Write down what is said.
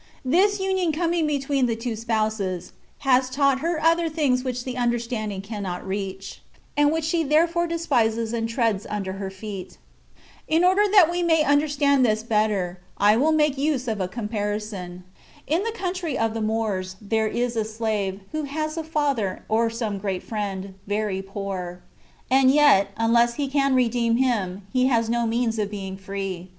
This union coming between the two spouses, has taught her other things which the understandingcannot reach, and which she therefore despises and treads under her feet. In order that we may understand this better, I will make use of a comparison. In the country of the Moors, there is a slave, who has a father, or some great friend, very poor ; and yet, unless he can redeem him, he has no means of being fre^.